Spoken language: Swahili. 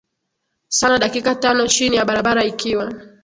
sana dakika tano chini ya barabara ikiwa